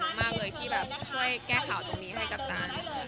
มากเลยที่แบบช่วยแก้ข่าวตรงนี้ให้กัปตัน